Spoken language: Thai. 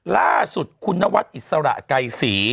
ล่าสุดคุณนวัดอิสระไกรศรี